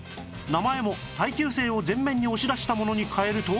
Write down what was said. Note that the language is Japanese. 名前も耐久性を前面に押し出したものに変えると